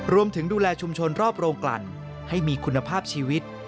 ดูแลชุมชนรอบโรงกลั่นให้มีคุณภาพชีวิต